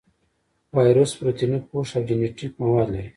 وایرس پروتیني پوښ او جینیټیک مواد لري.